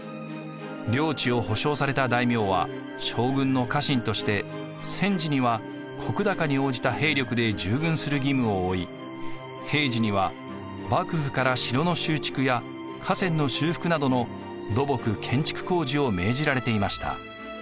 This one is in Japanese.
領知を保証された大名は将軍の家臣として戦時には石高に応じた兵力で従軍する義務を負い平時には幕府から城の修築や河川の修復などの土木・建築工事を命じられていました。